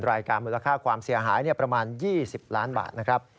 รายการมูลค่าความเสียหายประมาณ๒๐ล้านบาทนะครับ